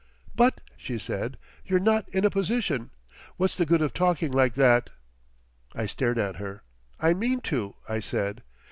"But," she said, "you're not in a position—What's the good of talking like that?" I stared at her. "I mean to," I said.